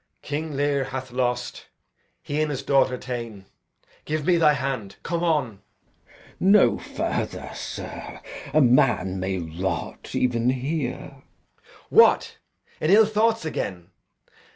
King Lear hath lost, he and his daughter ta'en. Give me thy hand! come on! Glou. No further, sir. A man may rot even here. Edg. What, in ill thoughts again?